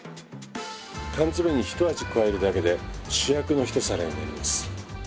缶詰にひと味加えるだけで主役のひと皿になります。